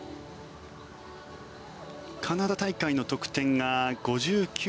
カナダ大会の得点が５９．２７